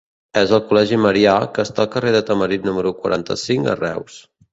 És el col·legi Marià, que està al carrer de Tamarit número quaranta-cinc, a Reus.